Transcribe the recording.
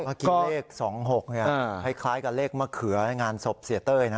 เมื่อกี้เลข๒๖คล้ายกับเลขมะเขือในงานศพเสียเต้ยนะ